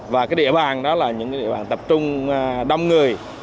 và cái địa bàn đó là những địa bàn tập trung đông người